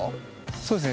そうですね。